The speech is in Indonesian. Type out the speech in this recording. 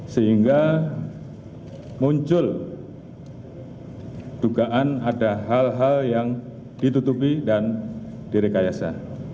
sehingga muncul dugaan ada hal hal yang ditutupi dan direkayasa